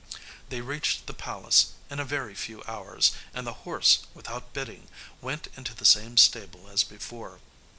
They reached the palace in a very few hours, and the horse, without bidding, went into the same stable as before.